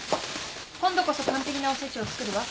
今度こそ完璧なお節を作るわ。